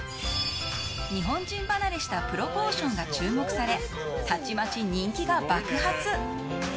日本人離れしたプロポーションが注目されたちまち人気が爆発。